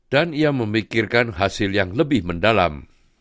dan ia memikirkan hasil yang lebih mendalam